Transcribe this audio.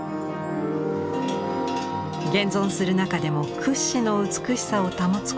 現存する中でも屈指の美しさを保つ